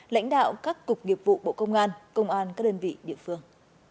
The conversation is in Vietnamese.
lãnh đạo các cục nghiệp vụ bộ công an công an các đơn vị địa phương